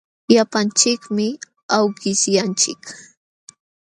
Llapanchikmi awkishyanchik.